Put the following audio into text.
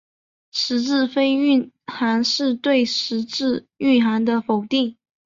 实质非蕴涵是对实质蕴涵的否定。